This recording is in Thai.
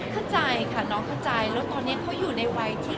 เข้าใจค่ะน้องเข้าใจแล้วตอนนี้เขาอยู่ในวัยที่